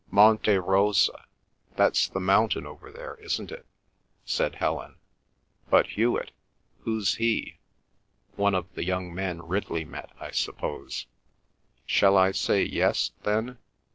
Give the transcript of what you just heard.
"Monte Rosa—that's the mountain over there, isn't it?" said Helen; "but Hewet—who's he? One of the young men Ridley met, I suppose. Shall I say yes, then?